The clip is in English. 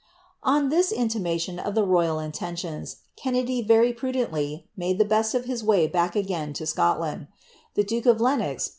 ' 0:'. which intimation of the royal intentions, Kennedy very prudentlv maile the best of his way bark again lo Scoilami. Tlie duke of Lenos.